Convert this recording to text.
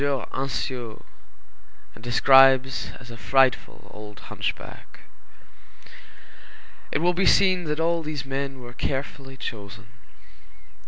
Anciot_, and describes as a frightful old hunchback. It will be seen that all these men were carefully chosen.